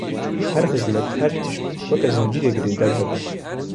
her xîzmet her tişt weka zincîrê girêdayî hev in.